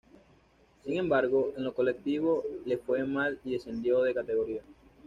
Sin embargo, en lo colectivo le fue mal y descendió de categoría.